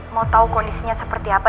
mau tahu kondisinya seperti apa